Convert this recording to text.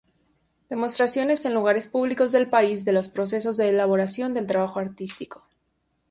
Demostraciones en lugares públicos del país de los procesos de elaboración del trabajo artístico.